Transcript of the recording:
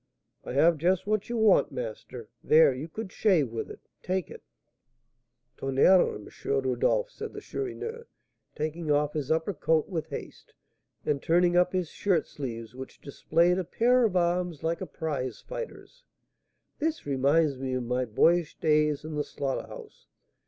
"I have just what you want, master. There, you could shave with it. Take it " "Tonnerre, M. Rodolph!" said the Chourineur, taking off his upper coat with haste, and turning up his shirtsleeves, which displayed a pair of arms like a prize fighter's; "this reminds me of my boyish days and the slaughter house.